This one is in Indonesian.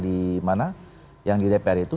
di mana yang di dpr itu